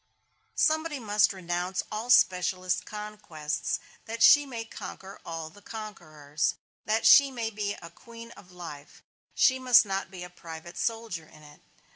Somebody must renounce all specialist conquests, that she may conquer all the conquerors. That she may be a queen of life, she must not be a private soldier in it.